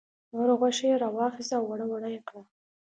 نوره غوښه یې را واخیسته او وړه وړه یې کړه.